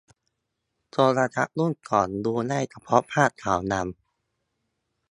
โทรทัศน์ยุคก่อนดูได้เฉพาะภาพขาวดำ